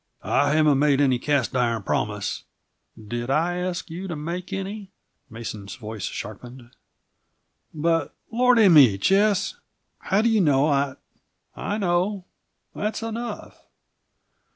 "I haven't made any cast iron promise " "Did I ask you to make any?" Mason's voice sharpened. "But Lordy me, Ches! How do you know I " "I know. That's enough."